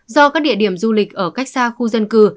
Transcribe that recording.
do các địa điểm du lịch ở cách xa khu dân cư